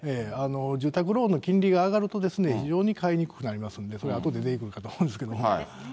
住宅ローンの金利が上がると、非常に買いにくくなりますんで、あとで出てくるかと思いますけれども。